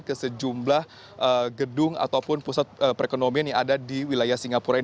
ke sejumlah gedung ataupun pusat perekonomian yang ada di wilayah singapura ini